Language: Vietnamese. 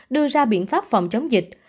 đưa ra biện pháp phòng chống dịch